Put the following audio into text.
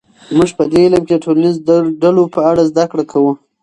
موږ په دې علم کې د ټولنیزو ډلو په اړه زده کړه کوو.